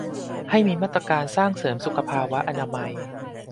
ให้มีมาตรการสร้างเสริมสุขภาวะอนามัย